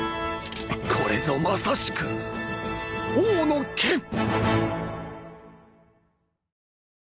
これぞまさしく王の剣！